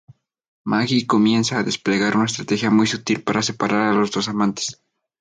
Maggie comienza a desplegar una estrategia muy sutil para separar a los dos amantes.